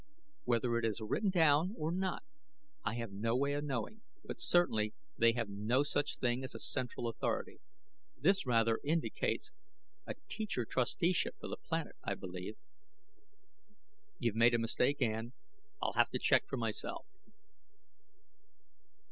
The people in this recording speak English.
Whether it is written down or not, I have no way of knowing; but certainly they have no such thing as a central authority. This rather indicates a teacher trusteeship for the planet, I believe." "You've made a mistake, Ann; I'll have to check for myself."